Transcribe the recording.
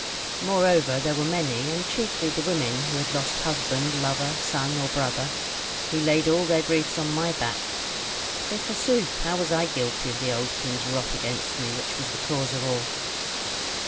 Moreover, there were many, and chiefly the women who had lost husband, lover, son or brother, who laid all their griefs on my back; though forsooth how was I guilty of the old king's wrath against me, which was the cause of all?